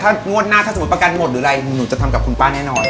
ถ้างวดหน้าถ้าสมมุติประกันหมดหรืออะไรหนูจะทำกับคุณป้าแน่นอน